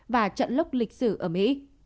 và trận lốc lịch sử ở mỹ